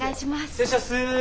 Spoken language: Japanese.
失礼します。